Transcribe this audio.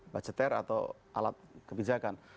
budgeter atau alat kebijakan